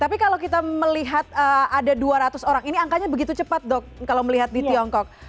tapi kalau kita melihat ada dua ratus orang ini angkanya begitu cepat dok kalau melihat di tiongkok